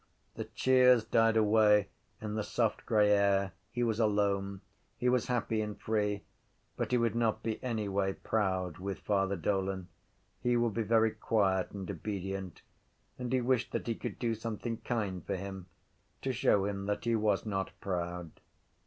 The cheers died away in the soft grey air. He was alone. He was happy and free: but he would not be anyway proud with Father Dolan. He would be very quiet and obedient: and he wished that he could do something kind for him to show him that he was not proud.